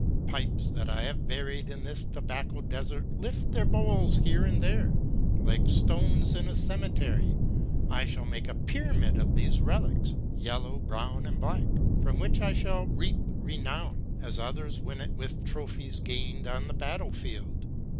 Pipes that I have buried in this tobacco desert lift their bowls here and there like stones in a cemetery. I shall make a pyramid of these relics, yellow, brown, and black, from which I shall reap renown as others win it with trophies gained on the battle field.